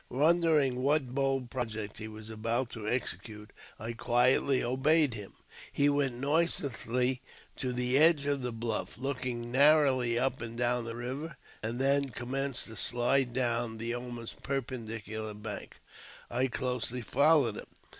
Wondering what bold project he was about to execute, I quietly obeyed him. He went noiselessly to the edge of the bluff, looking narrowly up and down the river, and then com menced to slide down the almost perpendicular bank, I closely following him.